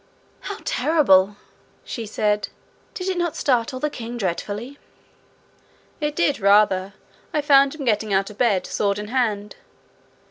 'How terrible!' she said. 'Did it not startle the king dreadfully?' 'It did rather. I found him getting out of bed, sword in hand.'